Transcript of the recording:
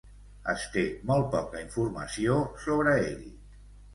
Es té molt poca informació sobre ell.